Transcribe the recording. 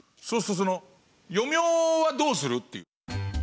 そうするとその余命はどうするっていう。